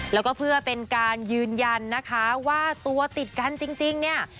แล้วก็เพื่อเป็นการยืนยันนะคะว่าตัวติดกันจริงเนี่ย